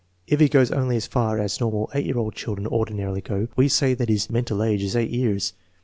If he goes only as far as normal 8 year old children ordinarily go, we say thai his "mental age " is 8 years.